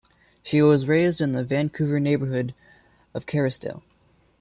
She was raised in the Vancouver neighbourhood of Kerrisdale.